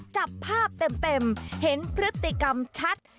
จับภาพเต็มเห็นพฤติกรรมชัด